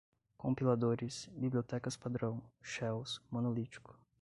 compiladores, bibliotecas-padrão, shells, monolítico